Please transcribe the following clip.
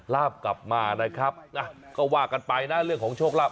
ลาบกลับมานะครับก็ว่ากันไปนะเรื่องของโชคลาภ